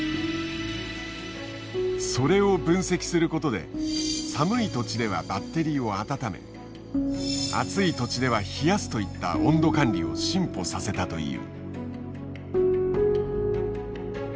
それを分析することで寒い土地ではバッテリーを温め暑い土地では冷やすといった温度管理を進歩させたという。